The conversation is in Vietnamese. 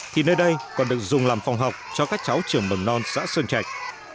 thì nơi đây còn được dùng làm phòng học cho các cháu trường mầm non xã sơn trạch